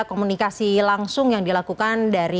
karena ini juga menyangkut takutnya